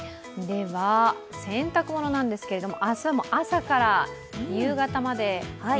洗濯物なんですが、明日も朝から夕方まで◎。